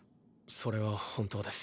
それは本当です。